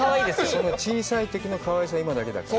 その小さいときのかわいさは今だけだから。